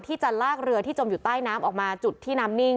ที่จะลากเรือที่จมอยู่ใต้น้ำออกมาจุดที่น้ำนิ่ง